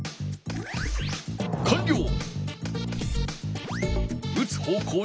かんりょう！